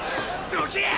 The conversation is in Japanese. どけや！